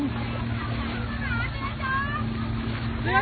ขอบคุณครับ